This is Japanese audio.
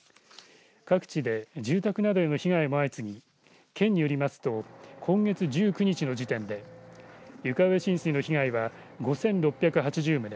各地で、住宅などへの被害も相次ぎ県によりますと今月１９日の時点で床上浸水の被害は５６８０棟